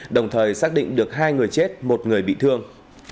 đồng thời xác định được hai người chết một người bị thương